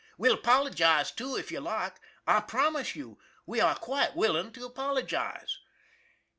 We'll apologize, too, if you like. I promise you, we are quite willing to apologize."